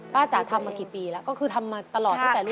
ป้าจ๋าทำมากี่ปีแล้วก็คือทำมาตลอดตั้งแต่รุ่นพ่อรุ่นแม่